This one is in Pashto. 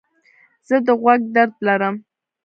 زه د غوږ درد لرم.